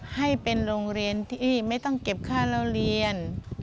ให้เป็นโรงเรียนที่ไม่ต้องเก็บค่าเล่าเรียน